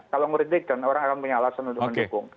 kalau merintik dan orang akan punya alasan untuk mendukung